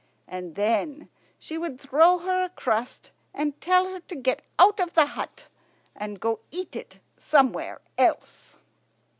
And then she would throw her a crust and tell her to get out of the hut and go and eat it somewhere else.